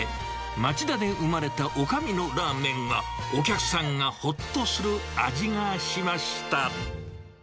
町田で生まれたおかみのラーメンは、お客さんがほっとする味がしました。